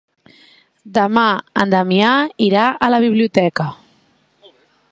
Demà en Damià irà a la biblioteca.